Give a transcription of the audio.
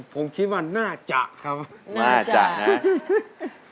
ผมคิดว่าน่าจะครับน่าจะนะ